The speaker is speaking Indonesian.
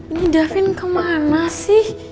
ini darfin kemana sih